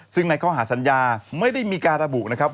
ซึ่งในข้อหาสัญญาไม่ได้มีการระบุนะครับ